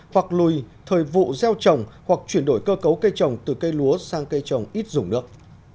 hoặc lùi thời vụ gieo trồng hoặc chuyển đổi cơ cấu cây trồng từ cây lúa sang cây trồng ít dùng nước